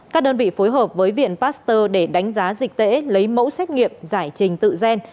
các đơn vị phối hợp với viện pasteur để đánh giá dịch tễ lấy mẫu xét nghiệm giải trình tự gen